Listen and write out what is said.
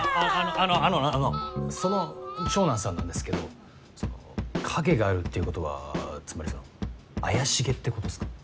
あのあのあのその長男さんなんですけどその陰があるっていうことはつまりその怪しげってことっすか？